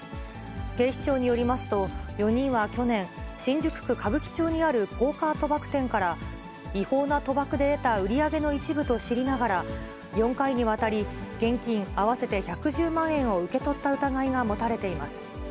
警視庁によりますと、４人は去年、新宿区歌舞伎町にあるポーカー賭博店から、違法な賭博で得た売り上げの一部と知りながら、４回にわたり、現金合わせて１１０万円を受け取った疑いが持たれています。